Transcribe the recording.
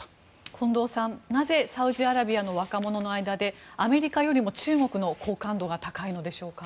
近藤さん、なぜサウジアラビアの若者の間でアメリカよりも中国の好感度が高いのでしょうか？